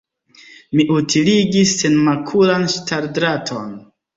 Mi utiligis senmakulan ŝtaldraton.